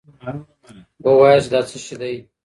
وواياست چې دا څه شی دی.